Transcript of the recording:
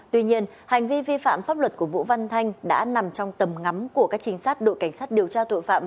tuy nhiên hành vi vi phạm pháp luật của vũ văn thanh đã nằm trong tầm ngắm của các trinh sát đội cảnh sát điều tra tội phạm